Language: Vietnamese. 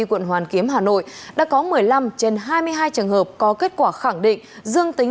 quận hoàn kiếm hà nội đã có một mươi năm trên hai mươi hai trường hợp có kết quả khẳng định dương tính